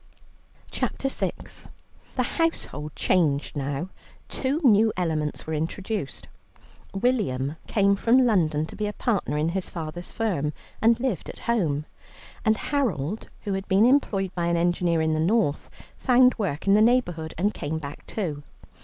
CHAPTER VI The household changed now; two new elements were introduced: William came from London to be a partner in his father's firm, and lived at home, and Harold, who had been employed by an engineer in the North, found work in the neighbourhood and came back too.